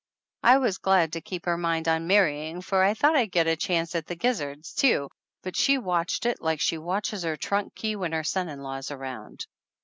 I was glad to keep her mind on marrying, for I thought I'd get a chance at the gizzard too, but she watched it like she watches her trunk key when her son in law's around.